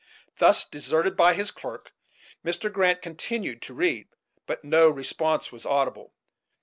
Thus deserted by his clerk Mr. Grant continued to read; but no response was audible.